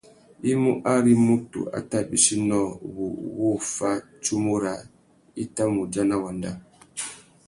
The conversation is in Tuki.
I mú ari mutu a tà bîchi nôō wu wô fá tsumu râā i tà mù udjana wanda.